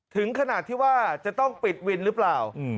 ถึงขนาดที่ว่าจะต้องปิดวินหรือเปล่า